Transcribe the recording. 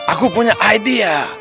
aku punya idea